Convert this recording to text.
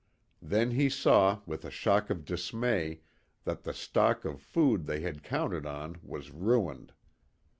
Then he saw with a shock of dismay that the stock of food they had counted on was ruined.